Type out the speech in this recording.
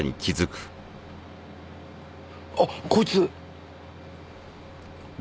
あっこいつ。